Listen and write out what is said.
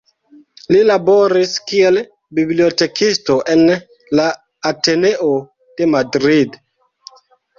Li laboris kiel bibliotekisto en la Ateneo de Madrid.